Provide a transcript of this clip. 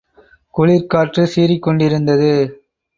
குளிர் காற்று சீறிக் கொண்டிருந்தது.